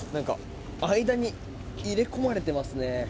間に入れ込まれていますね。